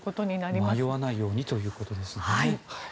迷わないようにということですね。